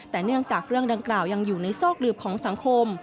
แต่เนื่องจากเรื่องดังกล่าวยังอยู่ในซอกหลืบของสังคม